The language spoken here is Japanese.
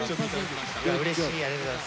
うれしいありがとうございます。